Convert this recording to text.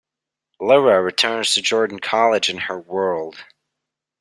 Lyra returns to Jordan College in her world.